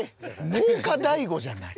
農家大悟じゃない。